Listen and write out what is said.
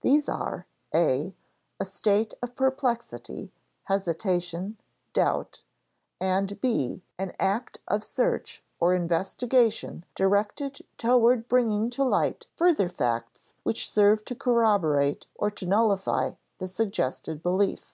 These are: (a) a state of perplexity, hesitation, doubt; and (b) an act of search or investigation directed toward bringing to light further facts which serve to corroborate or to nullify the suggested belief.